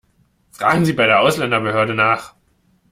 Fragen Sie bei der Ausländerbehörde nach!